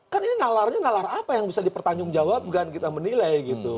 kan ini nalarnya nalar apa yang bisa dipertanyung jawab kan kita menilai gitu